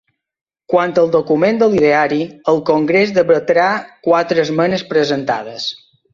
Quant al document de l’ideari, el congrés debatrà quatre esmenes presentades.